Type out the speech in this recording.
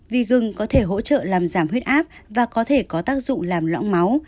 vi gừng có thể hỗ trợ làm giảm huyết áp và có thể có tác dụng làm lõng máu